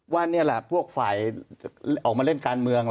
ว่าพวกฝ่ายออกมาเล่นการเมือง